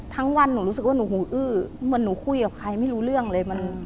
วันหนูรู้สึกว่าหนูหงอื้อเหมือนหนูคุยกับใครไม่รู้เรื่องเลย